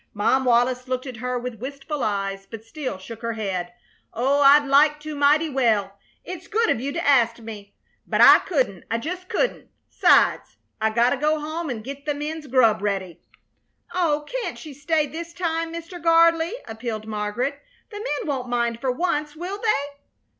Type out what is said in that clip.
Mom Wallis looked at her with wistful eyes, but still shook her head. "Oh, I'd like to mighty well. It's good of you to ast me. But I couldn't. I just couldn't. 'Sides, I gotta go home an' git the men's grub ready." "Oh, can't she stay this time, Mr. Gardley?" appealed Margaret. "The men won't mind for once, will they?"